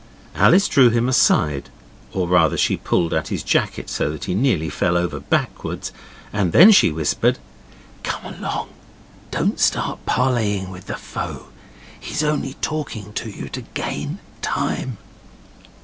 Alice drew him aside, or rather, she pulled at his jacket so that he nearly fell over backwards, and then she whispered, 'Come along, don't stay parlaying with the foe. He's only talking to you to gain time.